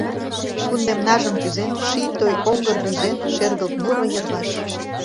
Кундемнажым тӱзен, Ший, той оҥгыр рӱзен, Шергылт, муро, йырваш.